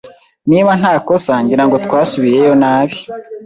Niba ntakosa, ngira ngo twasubiyeyo nabi.